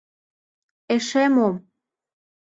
— Эше мом?